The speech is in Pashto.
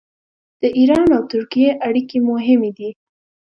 د ایران او ترکیې اړیکې مهمې دي.